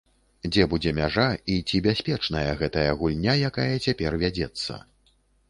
Дзе будзе мяжа, і ці бяспечная гэтая гульня, якая цяпер вядзецца?